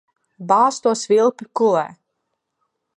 Bāz to svilpi kulē.